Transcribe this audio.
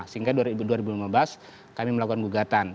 sehingga dua ribu lima belas kami melakukan gugatan